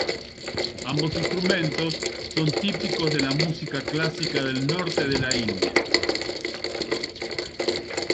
Ambos instrumentos son típicos de la música clásica del norte de la India.